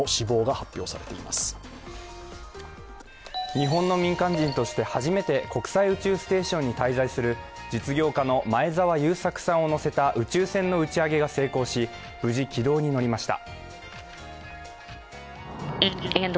日本の民間人として初めて国際宇宙ステーションに滞在する実業家の前澤友作さんを乗せた宇宙船の打ち上げが成功し無事、軌道に乗りました。